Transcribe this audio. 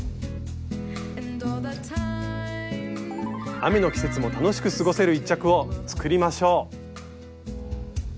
雨の季節も楽しく過ごせる一着を作りましょう！